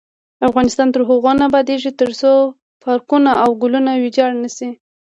افغانستان تر هغو نه ابادیږي، ترڅو پارکونه او ګلونه ویجاړ نشي.